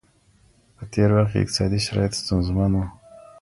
په تېر وخت کي اقتصادي شرايط ستونزمن وو.